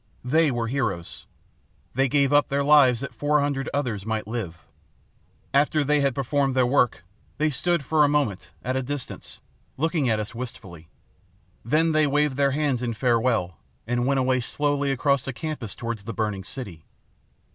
They were heroes. They gave up their lives that four hundred others might live. After they had performed their work, they stood for a moment, at a distance, looking at us wistfully. Then they waved their hands in farewell and went away slowly across the campus toward the burning city.